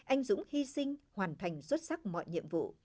anh dũng hy sinh hoàn thành xuất sắc mọi nhiệm vụ